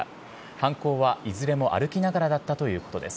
犯行はいずれも歩きながらだったということです。